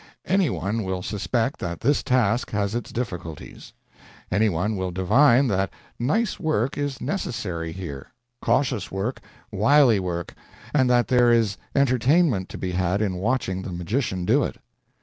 Any one will suspect that this task has its difficulties. Any one will divine that nice work is necessary here, cautious work, wily work, and that there is entertainment to be had in watching the magician do it.